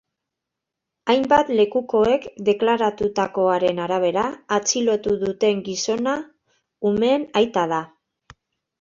Hainbat lekukoek deklaratutakoaren arabera, atxilotu duten gizona umeen aita da.